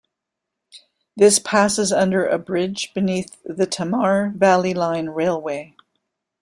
This passes under a bridge beneath the Tamar Valley Line railway.